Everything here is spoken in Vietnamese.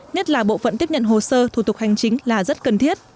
nhất là bộ phận tiếp nhận hồ sơ thủ tục hành chính là rất cần thiết